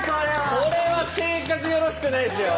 これは性格よろしくないですよ。